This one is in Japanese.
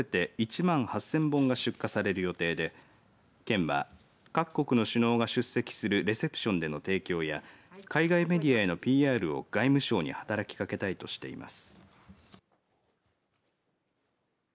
共通ラベルを貼った酒は合わせて１万８０００本が出荷される予定で県は、各国の首脳が出席するレセプションでの提供や海外メディアへのＰＲを外務省に働きかけたいとしています。